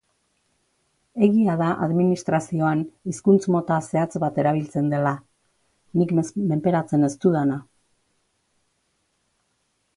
Egia da administrazioan hizkuntz mota zehatz bat erabiltzen dela, nik menperatzen ez dudana.